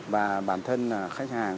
và bản thân là khách hàng